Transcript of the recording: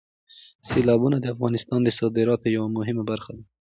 سیلابونه د افغانستان د صادراتو یوه مهمه برخه ده.